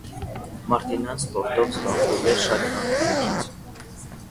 Մարտինան սպորտով զբաղվել է շատ վաղ տարիքից։